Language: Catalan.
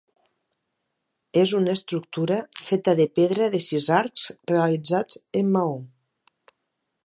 És una estructura feta de pedra de sis arcs realitzats en maó.